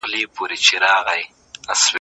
دوی به د دې دوستۍ اراده لا ټينګه کړي.